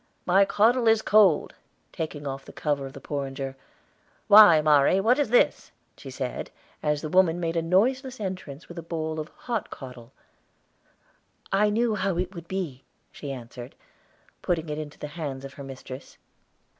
"My caudle is cold," taking off the cover of the porringer. "Why, Mari, what is this?" she said, as the woman made a noiseless entrance with a bowl of hot caudle. "I knew how it would be," she answered, putting it into the hands of her mistress.